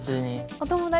お友達。